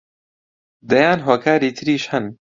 دەیان هۆکاری تریش هەن